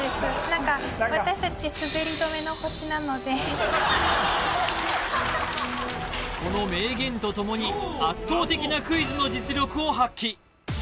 何か私達すべり止めの星なのでこの名言とともに圧倒的なクイズの実力を発揮